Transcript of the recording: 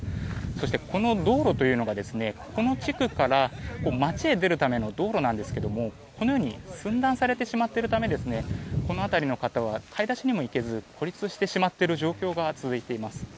そして、この道路というのがこの地区から街へ出るための道路なんですがこのように寸断されてしまっているためこの辺りの方は買い出しにも行けず孤立してしまっている状況が続いています。